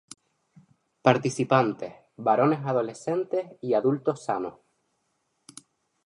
Participantes: Varones adolescentes y adultos sanos.